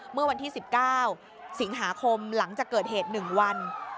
เมื่อวันที่๑๙สิงหาคมหลังจากเกิดเหตุ๑วัน